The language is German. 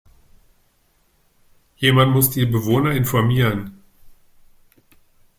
Jemand muss die Bewohner informieren.